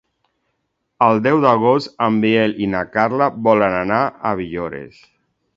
El deu d'agost en Biel i na Carla volen anar a Villores.